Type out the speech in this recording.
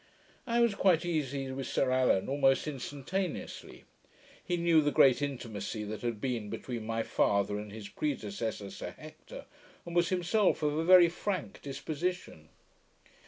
I was quite easy with Sir Allan almost instantaneously. He knew the great intimacy that had been between my father and his predecessor, Sir Hector, and was himself of a very frank disposition.